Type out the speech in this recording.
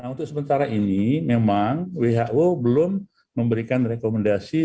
untuk sementara ini memang who belum memberikan rekomendasi